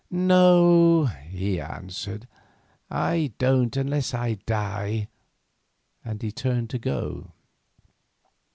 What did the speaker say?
"No," he answered, "I don't unless I die," and he turned to go.